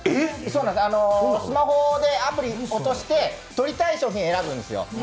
スマホでアプリを落として、取りたい商品を映すんですよ。